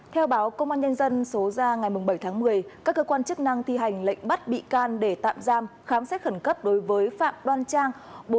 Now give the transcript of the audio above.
theo báo công an nhân dân số ra ngày bảy tháng một mươi các cơ quan chức năng thi hành lệnh bắt bị can để tạm giam khám xét khẩn cấp đối với phạm đoan trang